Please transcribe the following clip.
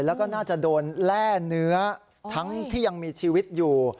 แล้วก็น่าจะโดนแร่เนื้อทั้งที่ยังมีชีวิตอยู่